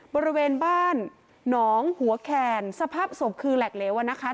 บริเวณบ้านหนองหัวแคนสภาพศพคือแหลกเหลวอะนะคะ